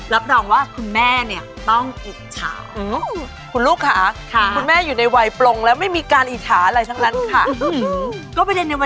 รับรองว่าคุณแม่เนี่ยต้องอิจฉาว